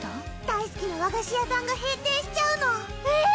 大すきな和菓子屋さんが閉店しちゃうのえぇ？